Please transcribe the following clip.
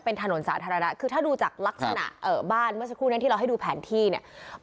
เป็นถนนสาธารณะคือถ้าดูจากลักษณะบ้านเมื่อสักครู่นี้ที่เราให้ดูแผนที่เนี่ย